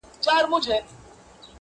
ځئ چي باطل پسي د عدل زولنې و باسو-